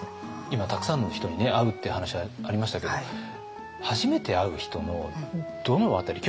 今たくさんの人に会うって話がありましたけども初めて会う人のどの辺り。